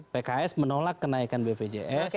pks menolak kenaikan bpjs